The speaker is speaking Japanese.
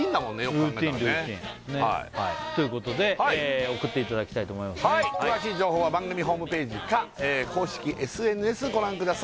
ルーティンルーティンということで送っていただきたいと思います詳しい情報は番組ホームページか公式ＳＮＳご覧ください